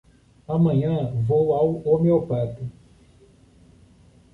Amanhã vou ao homeopata.